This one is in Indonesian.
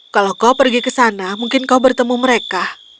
kalau kau pergi ke sana mungkin kau bertemu mereka